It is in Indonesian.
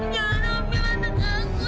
jangan ambil anak aku